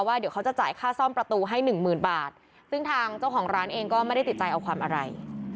เดี๋ยวเขาจะจ่ายค่าซ่อมประตูให้หนึ่งหมื่นบาทซึ่งทางเจ้าของร้านเองก็ไม่ได้ติดใจเอาความอะไร